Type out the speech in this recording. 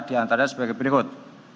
diantaranya sebagai berikut